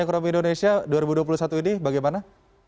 ekonomi indonesia dua ribu dua puluh satu ini bagaimana